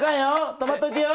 止まっといてよ。